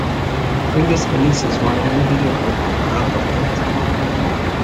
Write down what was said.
Previous releases via New Video Group are out of print.